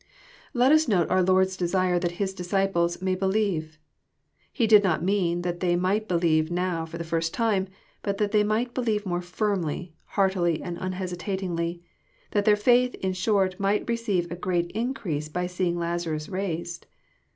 Let us note our Lord's desire that His disciples may be lieve. He did not mean that they might believe now for the first time, but that they might believe more firmly, heartily, and unhesitatingly ; that their faith, in short, might receive a great increase by seeing Lazarus raised.